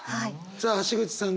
さあ橋口さん